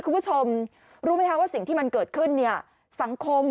คุณผู้ชมรู้ไหมคะว่าสิ่งที่มันเกิดขึ้นเนี่ยสังคม